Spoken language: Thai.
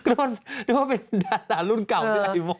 นึกว่าเป็นดารารุ่นเก่าพี่ไอโม